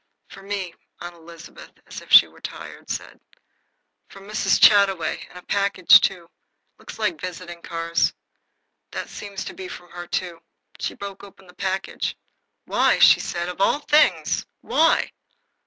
"For me," said Aunt Elizabeth, as if she were tired. "From Mrs. Chataway. A package, too. It looks like visiting cards. That seems to be from her, too." She broke open the package. "Why!" said she, "of all things! Why!"